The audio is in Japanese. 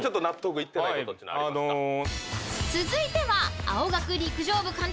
［続いては］